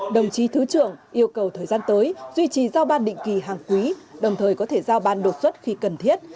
đồng chí thứ trưởng yêu cầu thời gian tới duy trì giao ban định kỳ hàng quý đồng thời có thể giao ban đột xuất khi cần thiết